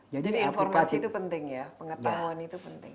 jadi informasi itu penting ya pengetahuan itu penting